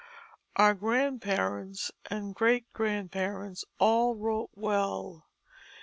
Our grandparents and great grandparents all wrote well.